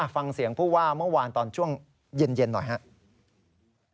ฟังเสียงผู้ว่าเมื่อวานตอนช่วงเย็นหน่อยครับ